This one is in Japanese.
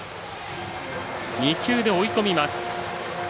２球で追い込みます。